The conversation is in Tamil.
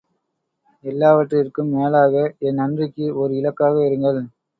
எல்லாவற்றிற்கும் மேலாக, என் நன்றிக்கு ஓர் இலக்காக இருங்கள்!